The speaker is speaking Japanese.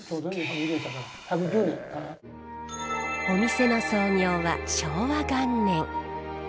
お店の創業は昭和元年。